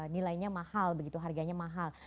nilainya mahal begitu harganya mahal